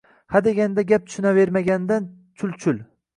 Hadeganda gapga tushunavermaganidan chulchul